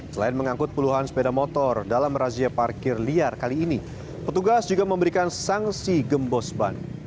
selain mengangkut puluhan sepeda motor dalam razia parkir liar kali ini petugas juga memberikan sanksi gembos ban